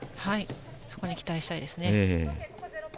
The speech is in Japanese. そこに期待したいですね。